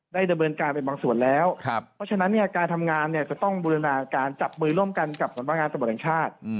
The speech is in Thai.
ดำเนินการไปบางส่วนแล้วเพราะฉะนั้นเนี่ยการทำงานเนี่ยจะต้องบูรณาการจับมือร่วมกันกับสำนักงานตำรวจแห่งชาติ